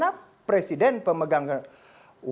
wakil presiden oleh presiden adalah pemegang kekuasaan